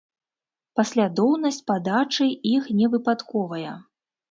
Паслядоўнасць падачы іх не выпадковая.